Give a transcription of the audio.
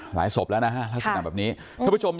หลายสมบละนะฮะถ้าสำหรับแบบนี้ทุกผู้ชม